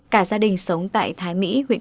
cả gia đình sống tại thái lan